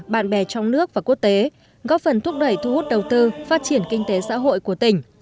bạn bè trong nước và quốc tế góp phần thúc đẩy thu hút đầu tư phát triển kinh tế xã hội của tỉnh